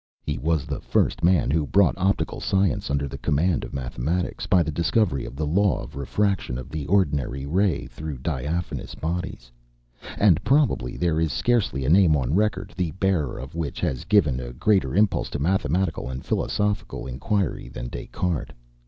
He was the first man who brought optical science under the command of mathematics, by the discovery of the law of refraction of the ordinary ray through diaphanous bodies; and probably there is scarcely a name on record, the bearer of which has given a greater impulse to mathematical and philosophical inquiry than Des Cartes.